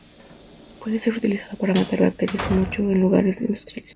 Puede ser utilizado para matar bacterias y moho en lugares industriales.